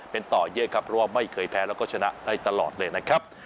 เป็นต่อเยอะครับเพราะว่าไม่เคยแพ้แล้วก็ชนะได้ตลอดเลยนะครับ